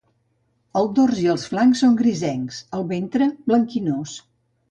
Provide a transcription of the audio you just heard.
El dors i els flancs són grisencs; el ventre, blanquinós.